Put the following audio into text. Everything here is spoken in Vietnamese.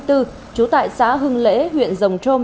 trú tại xã hưng lễ huyện rồng trôm